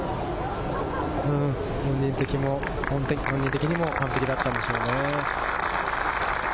本人的にも完璧だったんでしょうね。